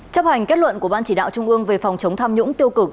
chấp hành kết luận của ban chỉ đạo trung ương về phòng chống tham nhũng tiêu cực